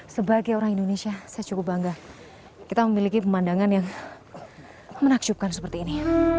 sebagai orang indonesia saya cukup bangga kita memiliki pemandangan yang menakjubkan seperti ini